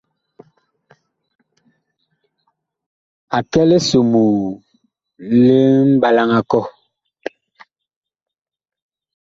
A kɛ lisomoo li mɓalaŋ a kɔh.